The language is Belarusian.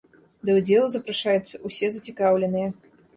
Да ўдзелу запрашаюцца ўсе зацікаўленыя.